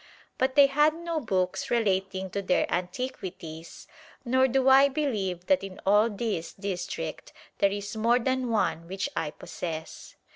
But they had no books relating to their antiquities nor do I believe that in all this district there is more than one, which I possess.